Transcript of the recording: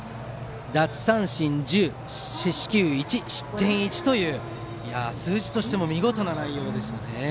奪三振１０、四死球１失点１という数字としても見事な内容でした。